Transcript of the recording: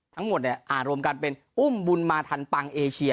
ทั้งหมดรวมกันเป็นอุ้มบุญมาทันปังเอเชีย